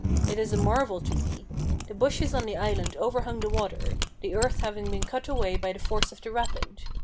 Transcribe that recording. It is a marvel to me. The bushes on the island overhung the water, the earth having been cut away by the force of the rapid.